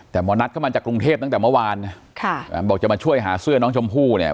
แต่หมอนัทเข้ามาจากกรุงเทพตั้งแต่เมื่อวานนะบอกจะมาช่วยหาเสื้อน้องชมพู่เนี่ย